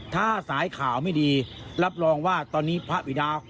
ถ้าสายข่าวไม่ดีรับรองว่าตอนนี้พระบิดา